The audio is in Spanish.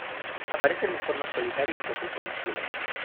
Aparecen de forma solitaria en posición axilar.